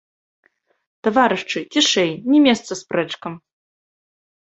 Таварышы, цішэй, не месца спрэчкам!